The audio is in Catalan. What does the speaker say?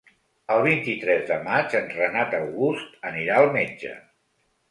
El vint-i-tres de maig en Renat August anirà al metge.